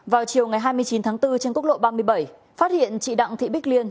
vào chiều ngày hai mươi chín tháng bốn trên quốc lộ ba mươi bảy phát hiện chị đặng thị bích liên